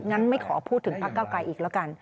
งั้นไม่ขอพูดถึงพักเก้าไกลอีกแล้วกัน